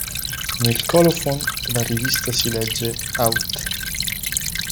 Nel "colophon" della rivista si legge “Aut.